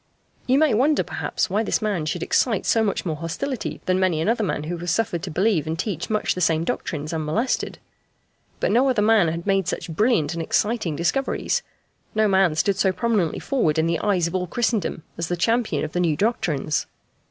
You may wonder, perhaps, why this man should excite so much more hostility than many another man who was suffered to believe and teach much the same doctrines unmolested. But no other man had made such brilliant and exciting discoveries. No man stood so prominently forward in the eyes of all Christendom as the champion of the new doctrines.